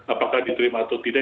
apakah diterima atau tidak